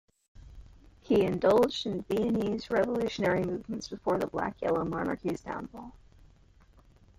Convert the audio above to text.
He indulged in Viennese revolutionary movements before the black-yellow monarchy's downfall.